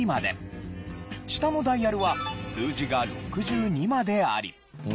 下のダイヤルは数字が６２まであり。